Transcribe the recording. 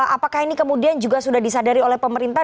apakah ini kemudian juga sudah disadari oleh pemerintah